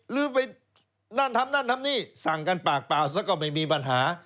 ลืมไปนั่นทำนั่นทำนี่สั่งกันปากเปล่าซะก็ไม่มีปัญหา